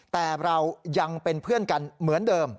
แต่เรายังเป็นเพื่อนกันเหมือนเดิม